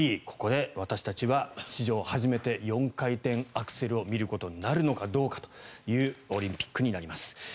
ここで私たちは史上初めて４回転アクセルを見ることになるのかどうかというオリンピックになります。